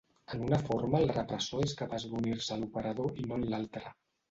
En una forma el repressor és capaç d'unir-se a l'operador i no en l'altra.